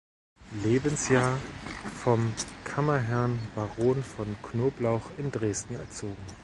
Lebensjahr vom Kammerherrn Baron von Knoblauch in Dresden erzogen.